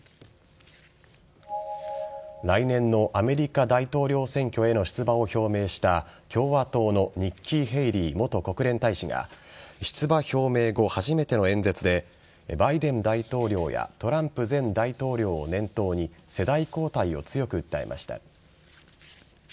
来年のアメリカ大統領選挙への出馬を表明した共和党のニッキー・ヘイリー元国連大使が出馬表明後、初めての演説でバイデン大統領やトランプ前大統領を念頭に世代交代を強く訴えました。